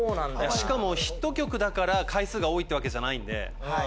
しかもヒット曲だから回数が多いってわけじゃないんで。